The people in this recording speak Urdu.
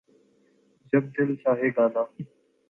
جب دل چاھے گانا